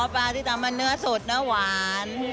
อ๋อปลาที่ทำมันเนื้อสดนะหวาน